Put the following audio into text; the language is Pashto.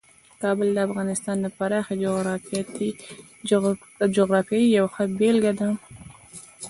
کابل د افغانستان د پراخې جغرافیې یوه ښه بېلګه ده.